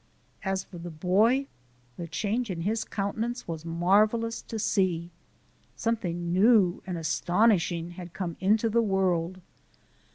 As for the boy, the change in his countenance was marvellous to see. Something new and astonishing had come into the world.